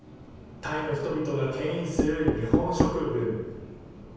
タイの人々がけん引する日本食ブーム。